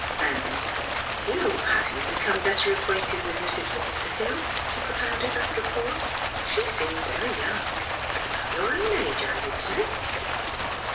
'' Are you — have you become better acquainted with Mrs. Walter Hill? " she propounded, after a pause. " She seems very young — about your o^vn age, I should say."